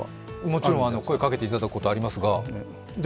もちろん、声かけていただくことはありますが。